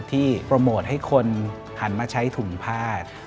โปรโมทให้คนหันมาใช้ถุงผ้า